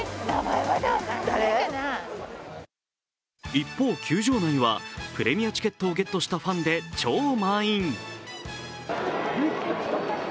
一方、球場内はプレミアチケットをゲットしたファンで超満員。